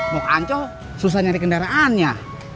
mau ke anco susah nyari kendaraan ya